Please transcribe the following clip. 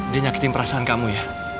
dia nyakitin perasaan kamu ya